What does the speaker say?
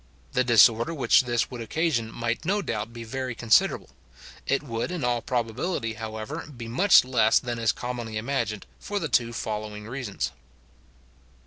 The disorder which this would occasion might no doubt be very considerable. It would in all probability, however, be much less than is commonly imagined, for the two following reasons.